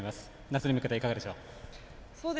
夏に向けていかがでしょう？